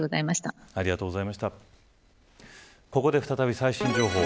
ここで再び最新情報